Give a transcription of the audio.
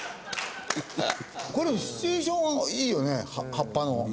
これシチュエーションはいいよね葉っぱの。